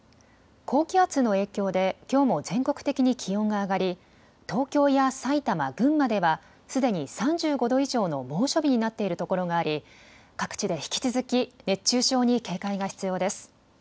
高気圧の影響できょうも全国的に気温が上がり東京や埼玉、群馬ではすでに３５度以上の猛暑日になっている所があり各地で引き続き熱中症に警戒が必要です。